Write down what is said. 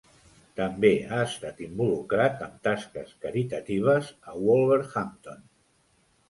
També ha estat involucrat en tasques caritatives a Wolverhampton.